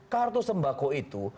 kartu sembako itu